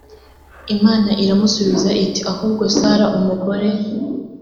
imana iramusubiza iti ahubwo sara umugore